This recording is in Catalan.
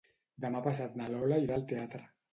Demà passat na Lola irà al teatre.